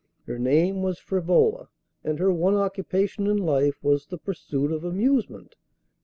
Her name was Frivola, and her one occupation in life was the pursuit of amusement.